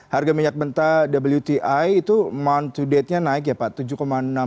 harga minyak mentah wti itu mount to date nya naik ya pak